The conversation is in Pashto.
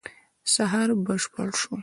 سهار بشپړ شو.